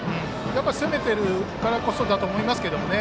攻めているからこそだと思いますけどね。